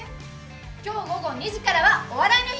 今日午後２時からは「お笑いの日」。